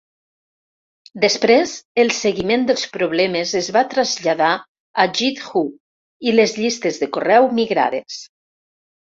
Després, el seguiment dels problemes es va traslladar a GitHub i les llistes de correu migrades.